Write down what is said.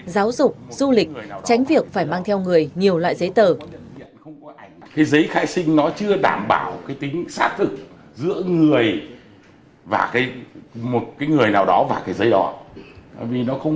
giáo dục du lịch tránh việc phải mang theo người nhiều loại giấy tờ